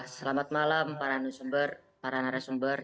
selamat malam para narasumber